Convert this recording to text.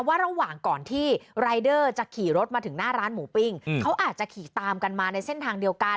ระหว่างก่อนที่รายเดอร์จะขี่รถมาถึงหน้าร้านหมูปิ้งเขาอาจจะขี่ตามกันมาในเส้นทางเดียวกัน